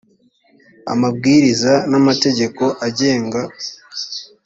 amabwiriza n amategeko agenga